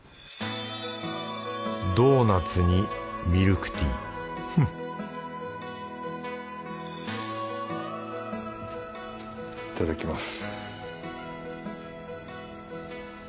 ドーナツにミルクティーフッいただきます。